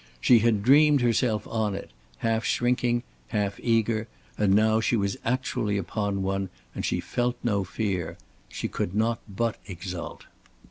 She had dreamed herself on to it, half shrinking, half eager, and now she was actually upon one and she felt no fear. She could not but exult.